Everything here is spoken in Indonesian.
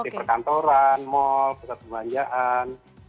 seperti perkantoran mall sekat perbanjakan